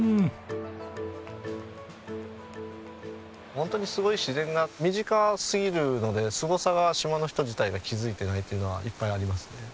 本当にすごい自然が身近すぎるのですごさが島の人自体が気づいていないというのはいっぱいありますね。